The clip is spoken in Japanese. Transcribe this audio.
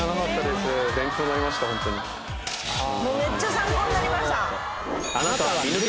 もうめっちゃ参考になりました！